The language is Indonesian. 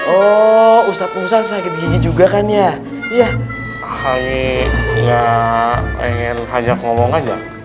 oh ustadz musa sakit gigi juga kan ya iya hanya ingin ajak ngomong aja